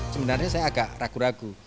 sebenarnya saya agak ragu ragu